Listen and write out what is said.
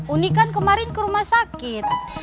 uni kan kemarin ke rumah sakit